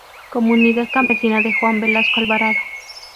Comunidad Campesina de Juan Velazco Alvarado.